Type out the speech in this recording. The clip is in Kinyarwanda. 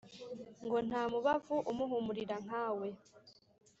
ngo ntamubavu umuhumurira nkawe